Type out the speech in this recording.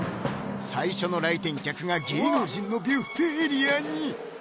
最初の来店客が芸能人のビュッフェエリアに！